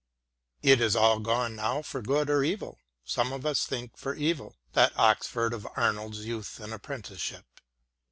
It has all gone now for good or evil — some of us think for evil — that Oxford of Arnold's youth and apprenticeship.